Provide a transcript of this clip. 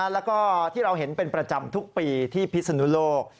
แล้วก็ที่เราเห็นเป็นประจำทุกปีที่พิศนุโลก